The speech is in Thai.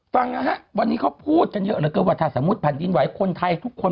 ฟังนะครับวันนี้เขาพูดกันเยอะวัฒนาสมมุติแผ่นดินไหวคนไทยทุกคน